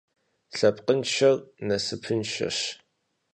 Лъэпкъыншэр насыпыншэщ.